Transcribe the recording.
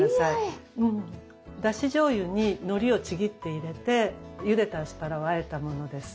だしじょうゆにのりをちぎって入れてゆでたアスパラをあえたものです。